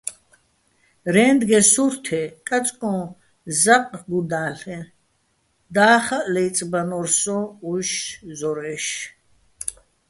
რენდგენ სურთე კაწკო́ჼ ზაყ გუდა́ლ'ეჼ, და́ხაჸ ლაწბანო́რ სოჼ უჲში̆ ზორა́ჲში̆.